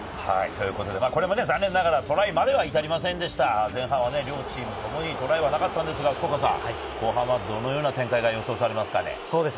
これは残念ながらトライまでは至りませんでしたが、前半、両チームともにトライなかったのですが、福岡さん、後半はどのような展開が予想されますか？